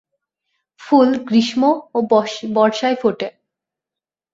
ফুল গ্রীষ্ম ও বর্ষায় ফোটে।